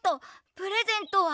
プレゼントは？